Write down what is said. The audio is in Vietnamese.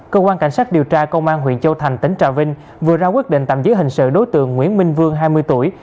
cơ quan cảnh sát điều tra công an huyện châu thành tỉnh trà vinh vừa ra quyết định tạm giữ hình sự đối tượng nguyễn minh vương hai mươi tuổi